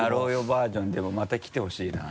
バージョンでもまた来てほしいな。